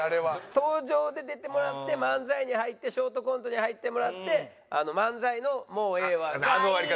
登場で出てもらって漫才に入ってショートコントに入ってもらって漫才の「もうええわ」が。